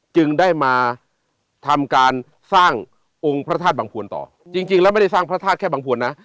จึงได้มาทำการสร้างองค์พระธาตุบังพวนต่อจริงแล้วไม่ได้สร้างพระธาตุแค่บังพวนนะ